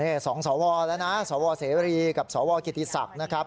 นี่๒สวแล้วนะสวเสรีกับสวกิติศักดิ์นะครับ